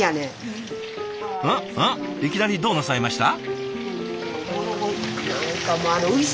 いきなりどうなさいました？